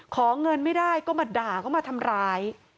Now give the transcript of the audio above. ขอเงินไม่ได้ก็มาด่าก็มาทำร้าย